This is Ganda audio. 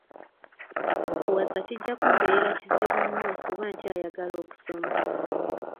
Okuwasa kijja kumbeerera kizibu nnyo kuba nkyayagala okusoma.